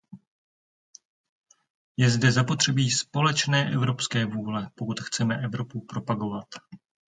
Je zde zapotřebí společné evropské vůle, pokud chceme Evropu propagovat.